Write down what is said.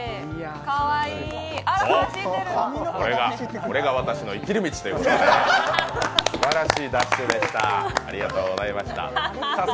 これが私の生きる道ということですばらしいダッシュでした。